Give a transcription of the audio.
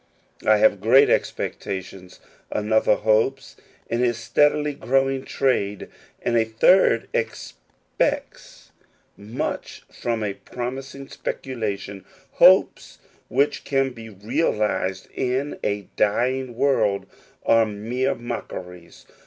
I have great expectations. Another hopes in his steadily growing trade; and a third expects much fron^ a promising speculation. Hopes which can be realized in a dying world are mere mockeries.